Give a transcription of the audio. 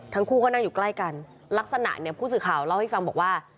ทั้งคู่ก็นั่งอยู่ใกล้กันลักษณะเนี่ยผู้สื่อข่าวเล่าให้ฟังบอกว่า